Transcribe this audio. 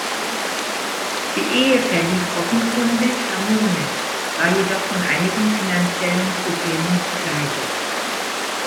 Die Ehe verlief offenkundig harmonisch, war jedoch von einigen finanziellen Problemen begleitet.